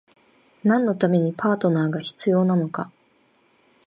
何のためにパートナーが必要なのか？